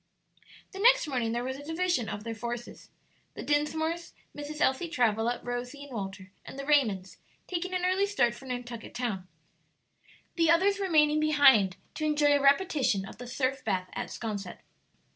The next morning there was a division of their forces: the Dinsmores, Mrs. Elsie Travilla, Rosie, and Walter, and the Raymonds taking an early start for Nantucket Town, the others remaining behind to enjoy a repetition of the surf bath at 'Sconset.